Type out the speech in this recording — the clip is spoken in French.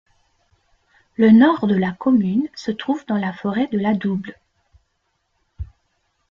Le nord de la commune se trouve dans la forêt de la Double.